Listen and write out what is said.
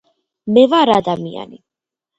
მე ვარ ადამიანი